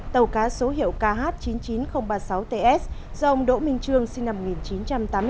tàu cá số hiệu kh chín mươi chín nghìn ba mươi sáu ts do ông đỗ minh trương sinh năm một nghìn chín trăm tám mươi tám